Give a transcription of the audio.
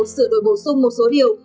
sửa đổi bổ sung một số điều